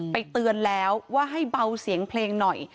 เตือนแล้วว่าให้เบาเสียงเพลงหน่อย